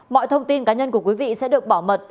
mọi thông tin cá nhân của quý vị sẽ được bảo mật